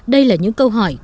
đây là những câu hỏi